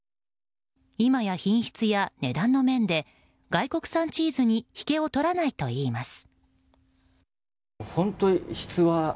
今や品質や値段の面で外国産チーズに引けを取らないといいます。